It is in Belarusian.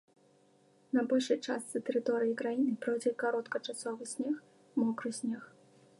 На большай частцы тэрыторыі краіны пройдзе кароткачасовы снег, мокры снег.